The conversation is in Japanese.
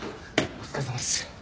お疲れさまです。